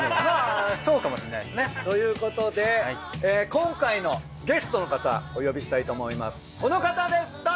まぁそうかもしれないですね。ということで今回のゲストの方お呼びしたいと思います。